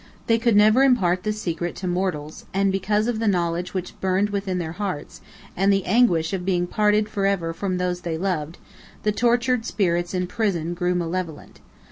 They could never impart the secret to mortals; and because of the knowledge which burned within their hearts, and the anguish of being parted forever from those they loved, the tortured spirits in prison grew malevolent.